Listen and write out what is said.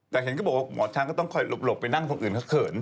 แต่เห็นด้วยบอกว่าหมอช้างก็ต้องค่อยหลบังปิด้านอื่นเขาเขิน